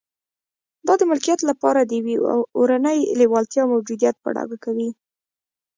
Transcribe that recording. دا د ملکیت لپاره د یوې اورنۍ لېوالتیا موجودیت په ډاګه کوي